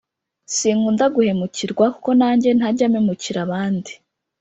Sinkunda guhemukirwa kuko nanjye ntajya memukira abandi